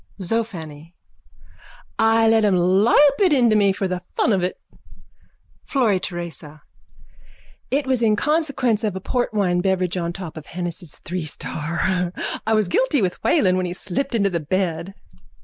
ZOE FANNY: I let him larrup it into me for the fun of it. FLORRY TERESA: It was in consequence of a portwine beverage on top of Hennessy's three star. I was guilty with Whelan when he slipped into the bed.